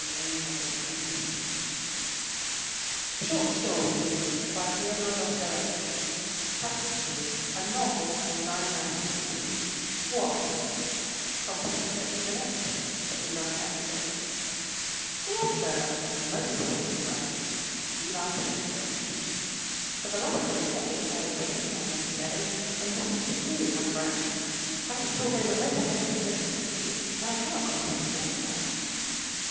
His head fell back, he drew one breath and gave up his soul to God." A NOVEL IN NINE LETTERS I (FROM PYOTR IVANITCH TO IVAN PETROVITCH) DEAR SIR AND MOST PRECIOUS FRIEND, IVAN PETROVITCH, For the last two days I have been, I may say, in pursuit of you, my friend, having to talk over most urgent business with you, and I cannot come across you anywhere.